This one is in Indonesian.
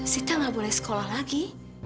sita nggak boleh sekolah lagi